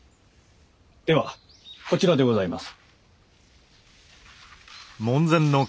ではこちらでございます。